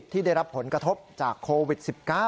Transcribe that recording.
ที่ได้รับผลกระทบจากโควิด๑๙